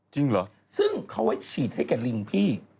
จริงเหรอซึ่งเขาไว้ฉีดให้แก่ลิงพี่